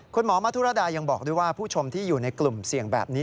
คุณหมอมธุรดายังบอกด้วยว่าผู้ชมที่อยู่ในกลุ่มเสี่ยงแบบนี้